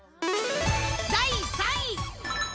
第３位。